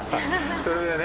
それでね。